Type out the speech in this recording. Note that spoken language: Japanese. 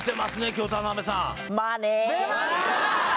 今日田辺さん出ました！